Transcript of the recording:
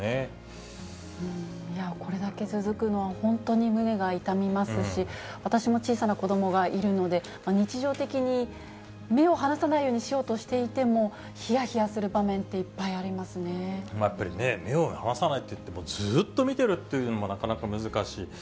これだけ続くのは、本当に胸が痛みますし、私も小さな子どもがいるので、日常的に目を離さないようにしていても、ひやひやする場面って、目を離さないっていっても、ずっと見てるっていうのもなかなか難しい。